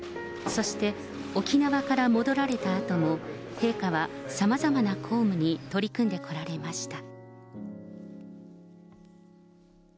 そして沖縄から戻られたあとも、陛下はさまざまな公務に取り組んでこられました。